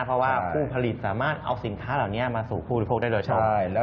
เพราะว่าผู้ผลิตสามารถเอาสินค้าเหล่านี้มาสู่ภูมิภูมิได้เลยใช่ไหม